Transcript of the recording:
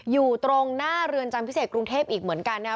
อยู่ตรงหน้าเรือนจำพิเศษกรุงเทพอีกเหมือนกันนะครับ